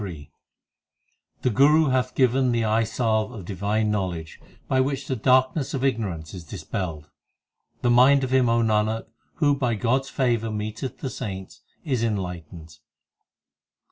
266 THE SIKH RELIGION SLOK XXIII The Guru hath given the eye salve of divine knowledge by which the darkness of ignorance is dispelled ; The mind of him, O Nanak, who by God s favour meeteth the saints is enlightened.